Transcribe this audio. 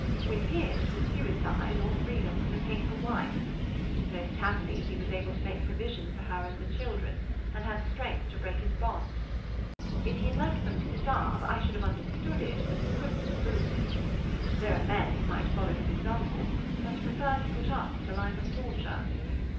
With him it was suicide or freedom from his hateful wife. Most happily, he was able to make provision for her and the children, and had strength to break his bonds. If he had left them to starve, I should have understood it, but couldn't have approved it. There are men who might follow his example, but prefer to put up with a life of torture.